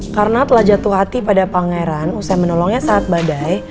karena telah jatuh hati pada pangeran usai menolongnya saat badai